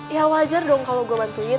ya wajar dong kalau gue bantuin